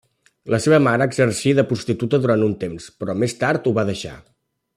La seva mare exercí de prostituta durant un temps, però més tard ho va deixar.